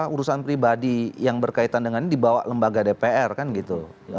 urusan pribadi yang berkaitan dengan ini dibawa lembaga dpr kan gitu